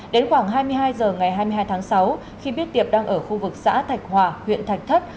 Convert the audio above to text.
đến khoảng hai mươi hai h ngày hai mươi hai tháng sáu khi biết tiệp đang ở khu vực xã thạch hòa huyện thạch thất